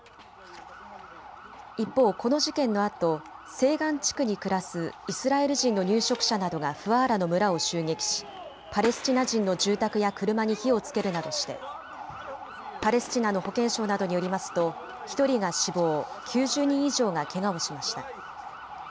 一方、この事件のあと西岸地区に暮らすイスラエル人の入植者などがフワーラの村を襲撃しパレスチナ人の住宅や車に火をつけるなどしてパレスチナの保健省などによりますと１人が死亡、９０人以上がけがをしました。